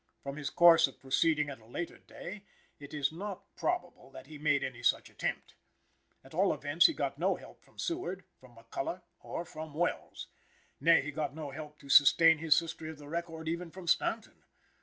From his course of proceeding at a later day, it is not probable that he made any such attempt. At all events, he got no help from Seward, from McCulloch or from Welles. Nay, he got no help to sustain his history of the record, even from Stanton.